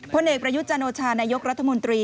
ผลเอกประยุทธ์จันโอชานายกรัฐมนตรี